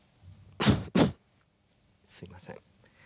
すいません。